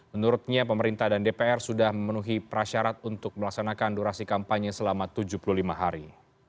menurutnya pemerintah dan dpr sudah memenuhi prasyarat untuk melaksanakan durasi kampanye selama tujuh puluh lima hari